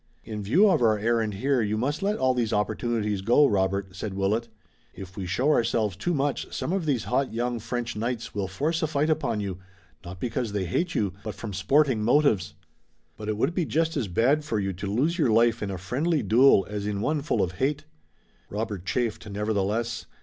"In view of our errand here you must let all these opportunities go, Robert," said Willet. "If we show ourselves too much some of these hot young French knights will force a fight upon you, not because they hate you, but from sporting motives. But it would be just as bad for you to lose your life in a friendly duel as in one full of hate." Robert chafed, nevertheless.